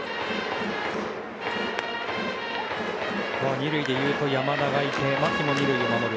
２塁で言うと山田がいて牧も２塁を守る。